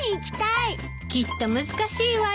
きっと難しいわよ。